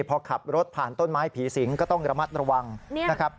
พอขับรถผ่านต้นไม้ผีสิงก็ต้องระมัดระวังนะครับ